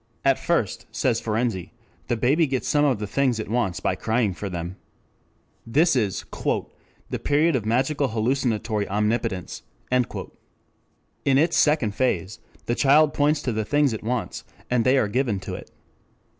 At first, says Ferenczi, the baby gets some of the things it wants by crying for them. This is "the period of magical hallucinatory omnipotence." In its second phase the child points to the things it wants, and they are given to it.